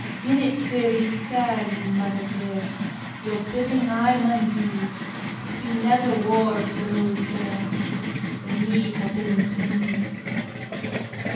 "Gin it fear you sair, my mither dear, Your bidding I maun dee; But be never war to Rose the Red Than ye ha been to me."